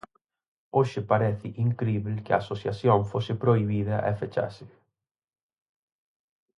Hoxe parece incríbel que a asociación fose prohibida e fechase.